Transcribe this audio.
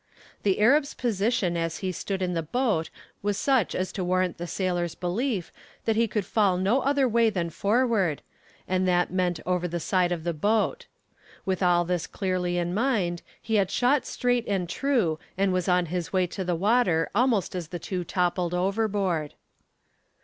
The Arab's position as he stood in the boat was such as to warrant the sailor's belief that he could fall no other way than forward, and that meant over the side of the boat. With all this clearly in mind he had shot straight and true and was on his way to the water almost as the two toppled overboard.